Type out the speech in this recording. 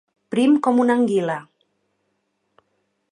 Prim com una anguila.